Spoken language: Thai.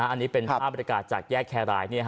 อันนี้เป็นภาพบริการจากแยกแครราย